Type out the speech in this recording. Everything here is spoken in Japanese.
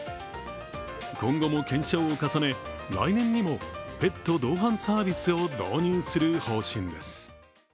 今後も検証を重ね、来年にもペット同伴サービスを導入する方針です。